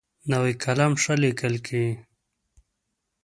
نوی قلم ښه لیکل کوي